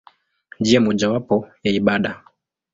Njia mojawapo ya ibada.